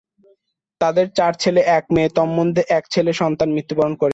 তাদের চার ছেলে এক মেয়ে তন্মধ্যে এক ছেলে সন্তান মৃত্যুবরণ করেছেন।